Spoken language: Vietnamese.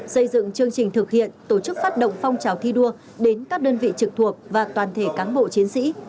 xây dựng chương trình thực hiện tổ chức phát động phong trào thi đua đến các đơn vị trực thuộc và toàn thể cán bộ chiến sĩ